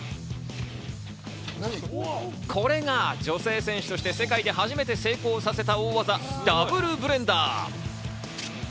これが女性選手として世界で初めて成功させた大技、ダブルブレンダー。